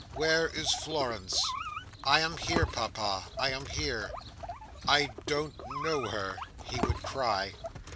"Where is Florence?" "I am here, Papa, I am here." "I don't know her!" he would cry.